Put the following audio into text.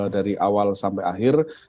dari awal sampai akhir